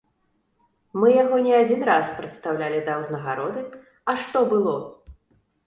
Мы яго не адзін раз прадстаўлялі да ўзнагароды, а што было?